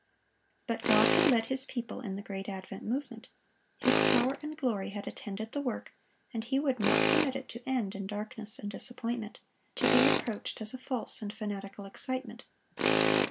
But God had led His people in the great Advent Movement; His power and glory had attended the work, and He would not permit it to end in darkness and disappointment, to be reproached as a false and fanatical excitement.